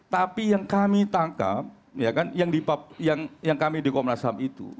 tapi yang kami tangkap yang kami yang dikomnasiham itu